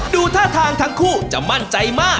ดูท่าทางทั้งคู่จะมั่นใจมาก